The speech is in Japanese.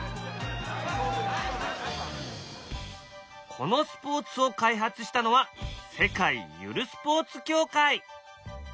このスポーツを開発したのは世界ゆるスポーツ協会。